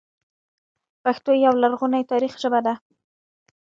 پښتو یوه لرغونې تاریخي ژبه ده